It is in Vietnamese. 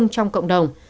trong cộng đồng